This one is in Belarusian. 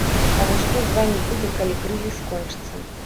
А вось што з вамі будзе, калі крызіс скончыцца?